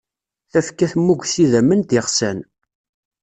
Tafekka tmmug s idamen d yeɣsan.